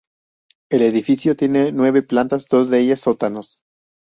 El edificio tiene nueve plantas, dos de ellas sótanos.